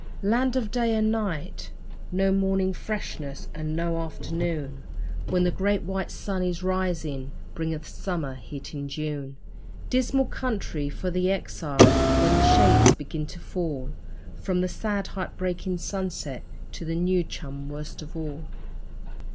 Land of day and night no morning freshness, and no afternoon, When the great white sun in rising bringeth summer heat in June. Dismal country for the exile, when the shades begin to fall From the sad heart breaking sunset, to the new chum worst of all.